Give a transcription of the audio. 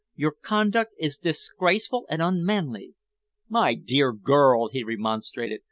Your conduct is disgraceful and unmanly." "My dear girl!" he remonstrated.